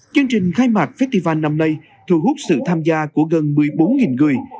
chương trình khai mạc festival năm nay thu hút sự tham gia của gần một mươi bốn người